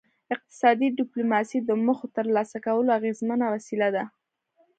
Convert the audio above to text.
اقتصادي ډیپلوماسي د موخو د ترلاسه کولو اغیزمنه وسیله ده